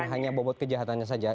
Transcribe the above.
hanya bobot kejahatannya saja